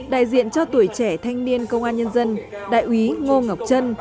đại diện cho tuổi trẻ thanh niên công an nhân dân đại úy ngô ngọc trân